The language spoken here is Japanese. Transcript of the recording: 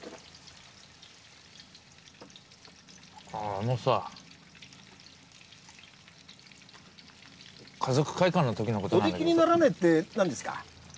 あのさ華族会館のときのこと・おできにならねえって何ですか？